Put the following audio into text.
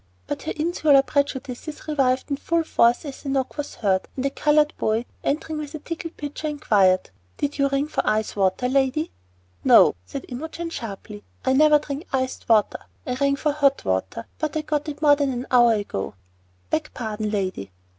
But her insular prejudices revived in full force as a knock was heard, and a colored boy, entering with a tinkling pitcher, inquired, "Did you ring for ice water, lady?" "No!" said Imogen sharply; "I never drink iced water. I rang for hot water, but I got it more than an hour ago." "Beg pardon, lady."